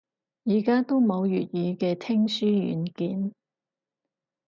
而家都冇粵語嘅聽書軟件